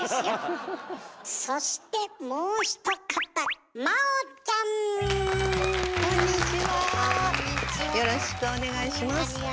よろしくお願いします。